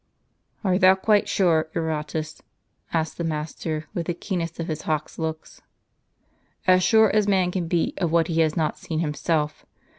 "Art thou quite sure, Eurotas?" asked the master, with the keenest of his hawk's looks. " As sure as man can be of what he has not seen himself.